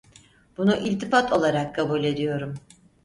Bunu iltifat olarak kabul ediyorum.